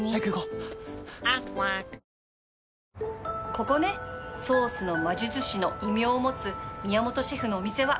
ここねソースの魔術師の異名を持つ宮本シェフのお店は